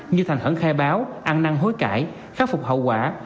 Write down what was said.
như thành khẩn khai báo ăn năng hối cãi khắc phục hậu quả